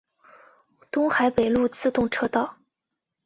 东海北陆自动车道。